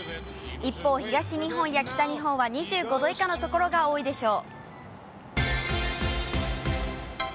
一方、東日本や北日本は２５度以下の所が多いでしょう。